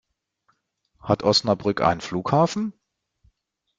Hat Osnabrück einen Flughafen?